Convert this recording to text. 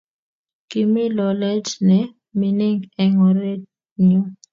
Ki mi lolet ne mining eng orit yo